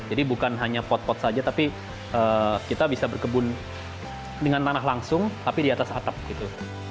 jadi bukan hanya pot pot saja tapi kita bisa berkebun dengan tanah langsung tapi di atas atap gitu